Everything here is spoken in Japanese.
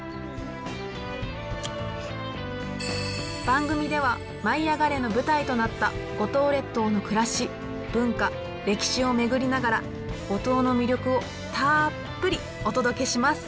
番組では「舞いあがれ！」の舞台となった五島列島の暮らし文化歴史を巡りながら五島の魅力をたっぷりお届けします。